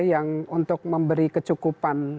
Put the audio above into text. yang untuk memberi kecukupan